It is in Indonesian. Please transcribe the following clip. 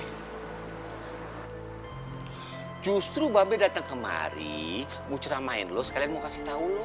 hai justru babi datang kemari mau ceramahin lo sekalian mau kasih tahu lo